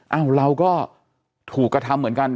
เอ้าเราก็ถูกกระทำเหมือนกัน